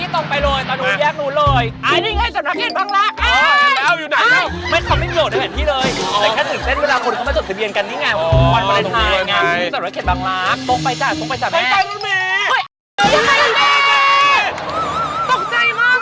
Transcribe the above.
ตกใจมากแล้ว